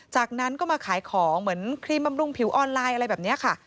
จากนั้นก็มาขายของเหมือนครีมบำรุงผิวออนไลน์อะไรแบบนี้ค่ะ